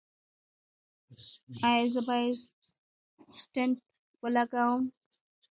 ایا زه باید سټنټ ولګوم؟